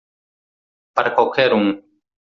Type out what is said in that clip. Para qualquer um